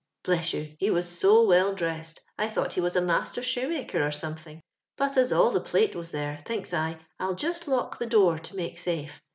Bbss yon I he was so wdl dressed, I thought he was a master shoemaker or something; hot as all the plate was there, thinks I, 111 just lock the door to make safe.